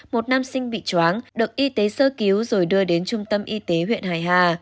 một nam sinh bị chóng được y tế sơ cứu rồi đưa đến trung tâm y tế huyện hải hà